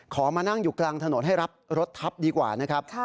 มานั่งอยู่กลางถนนให้รับรถทับดีกว่านะครับ